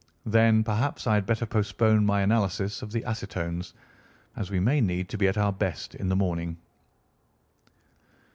Then perhaps I had better postpone my analysis of the acetones, as we may need to be at our best in the morning."